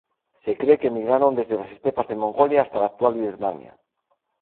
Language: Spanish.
Se cree que emigraron desde las estepas de Mongolia hasta la actual Birmania.